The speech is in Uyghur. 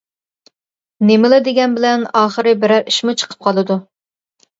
نېمىلا دېگەن بىلەن ئاخىرى بىرەر ئىشمۇ چىقىپ قالىدۇ.